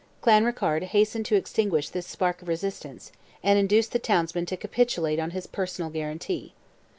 Clanrickarde hastened to extinguish this spark of resistance, and induced the townsmen to capitulate on his personal guarantee.